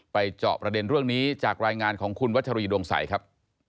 เจาะประเด็นเรื่องนี้จากรายงานของคุณวัชรีดวงใสครับ